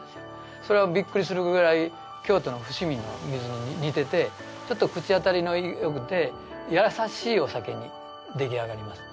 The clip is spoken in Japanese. それはビックリするくらい京都の伏見の水に似ててちょっと口当たりがよくてやさしいお酒に出来上がりますね